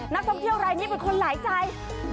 นักท่องเที่ยวรายนี้เป็นคนหลายใจ